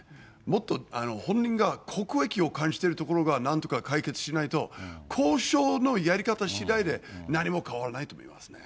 もっと本人が国益を感じているところが、なんとか解決しないと、交渉のやり方しだいで何も変わらないと思いますね。